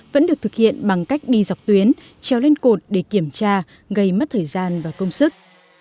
vẫn được thực hiện bằng cách đi dọc tuyến treo lên cột để kiểm tra gây mất thời gian và công sức